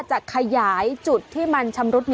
จะขยายจุดที่มันชำรุด